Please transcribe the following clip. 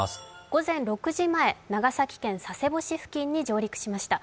午前６時前長崎県佐世保市付近に上陸しました。